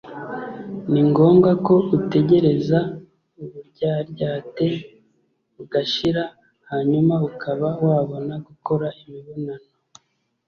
ni ngombwa ko utegereza uburyaryate bugashira hanyuma ukaba wabona gukora imibonano.